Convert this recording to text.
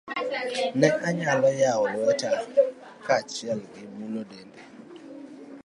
Ne anyalo yawo lweta kaachiel gi mulo dende.